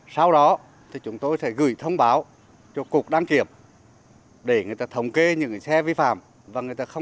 sau đó thì chúng tôi sẽ gửi thông báo